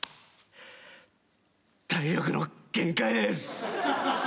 体力の限界です。